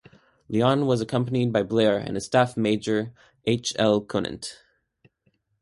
Lyon was accompanied by Blair and his staff Major H. L. Conant.